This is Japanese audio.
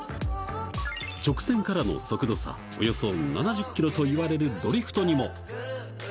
直線からの速度差およそ７０キロといわれるドリフトにも。